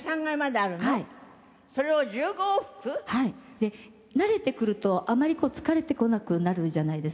で慣れてくるとあまり疲れてこなくなるじゃないですか。